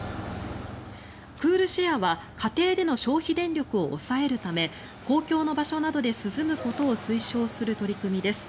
クールシェアは家計での消費電力を抑えるため公共の場所などで涼むことを推奨する取り組みです。